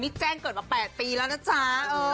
นี่แจ้งเกิดมา๘ปีแล้วนะจ๊ะ